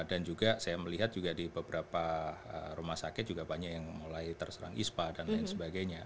dan juga saya melihat juga di beberapa rumah sakit juga banyak yang mulai terserang ispa dan lain sebagainya